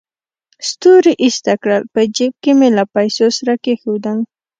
ستوري ایسته کړل، په جېب کې مې له پیسو سره کېښودل.